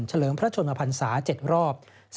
เฉลิงพระชนภัณฑ์ษา๗รอบ